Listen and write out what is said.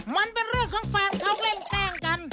มันเป็นเรื่องของแฟนเขาเล่นแป้งกัน